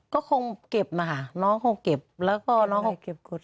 ก็คงเก็บนะคะน้องคงเก็บแล้วก็น้องคงเก็บกฎ